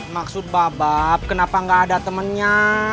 maksud babak kenapa gak ada temennya